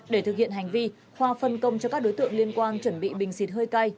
để thực hiện hành vi khoa phân công cho các đối tượng liên quan chuẩn bị bình xịt hơi cay